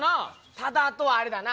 ただあとはあれだな。